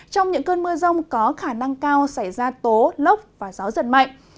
trong những cơn mưa rông có khả năng cao xảy ra tố lốc và gió giật mạnh